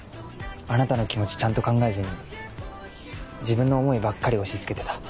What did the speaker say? あなたの気持ちちゃんと考えずに自分の思いばっかり押し付けてた。